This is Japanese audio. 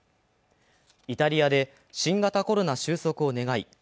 イタリアで新型コロナ収束を願い